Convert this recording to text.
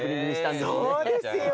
そうですよ。